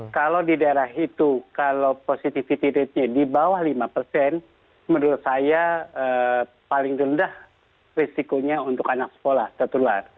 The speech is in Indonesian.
kalau di daerah itu kalau positivity ratenya di bawah lima persen menurut saya paling rendah risikonya untuk anak sekolah tertular